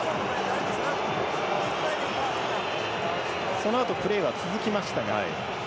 そのあとプレーは続きました。